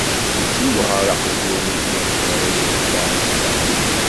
Ssiwɛeṛ aqjun-ik ma tebɣiḍ ad ittɛassa!